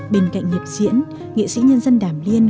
bên cạnh nghiệp diễn nghệ sĩ nhân dân đàm liên